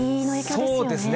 そうですね。